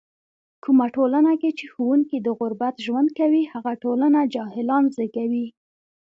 کومه ټولنه کې چې ښوونکی د غربت ژوند کوي، هغه ټولنه جاهلان زږوي.